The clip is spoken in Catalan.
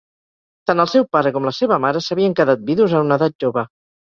Tant el seu pare com la seva mare s'havien quedat vidus a una edat jove.